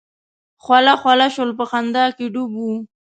خوله خوله شول په خندا کې ډوب وو.